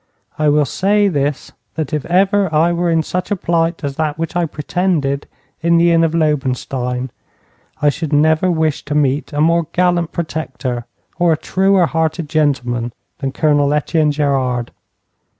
I will say this, that if ever I were in such a plight as that which I pretended in the inn of Lobenstein, I should never wish to meet a more gallant protector or a truer hearted gentleman than Colonel Etienne Gerard.